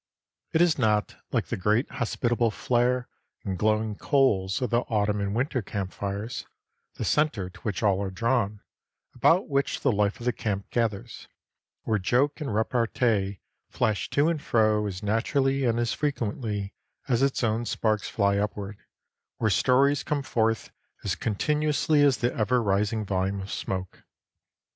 It is not, like the great hospitable flare and glowing coals of the autumn and winter camp fires, the centre to which all are drawn, about which the life of the camp gathers, where joke and repartee flash to and fro as naturally and as frequently as its own sparks fly upward, where stories come forth as continuously as the ever rising volume of smoke.